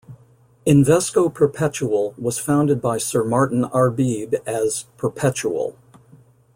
Invesco Perpetual was founded by Sir Martyn Arbib as "Perpetual".